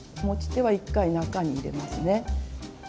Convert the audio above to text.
持ち手は一回中に入れますね。